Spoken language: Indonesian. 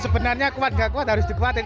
sebenarnya kuat gak kuat harus dikuatin